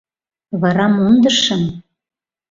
Вара мондышым...